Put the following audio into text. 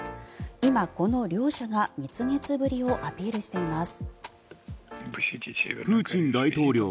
今、この両者が蜜月ぶりをアピールしています。